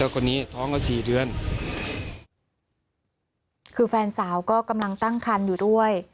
คนนี้ท้องก็สี่เดือนคือแฟนสาวก็กำลังตั้งคันอยู่ด้วย